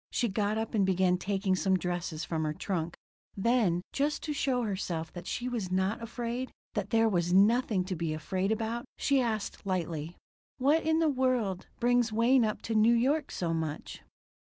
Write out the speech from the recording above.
She got up and began taking some dresses from her trunk. Then, just to show herself that she was not afraid, that there was nothing to be afraid about, she asked lightly: "What in the world brings Wayne up to New York so much?"